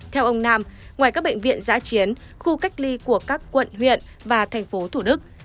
theo ông nam ngoài các bệnh viện giã chiến khu cách ly của các quận huyện và thành phố thủ đức